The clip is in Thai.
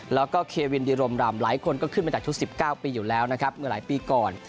แล้วก็เควินดิรมรำหลายคนก็ขึ้นมาจากชุด๑๙ปีอยู่แล้วนะครับเมื่อหลายปีก่อน